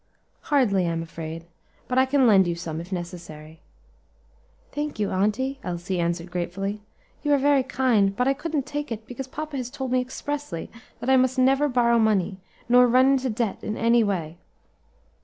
"Hardly, I'm afraid; but I can lend you some, if necessary." "Thank you, auntie," Elsie answered gratefully, "you are very kind; but I couldn't take it, because papa has told me expressly that I must never borrow money, nor run into debt in any way."